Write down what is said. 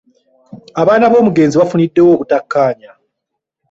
Abaana b'omugenzi baafuniddewo obutakkanya.